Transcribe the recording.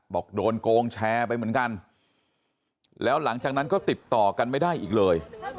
บอกโดนโกงแชร์ไปเหมือนกันแล้วหลังจากนั้นก็ติดต่อกันไม่ได้อีกเลย